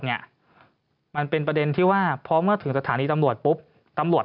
เนี้ยมันเป็นประเด็นที่ว่าพอเมื่อถึงสถานีตำรวจปุ๊บตำรวจ